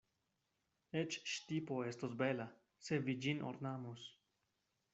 Eĉ ŝtipo estos bela, se vi ĝin ornamos.